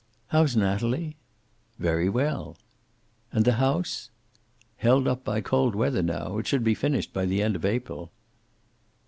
"How's Natalie?" "Very well." "And the house?" "Held up by cold weather now. It should be finished by the end of April."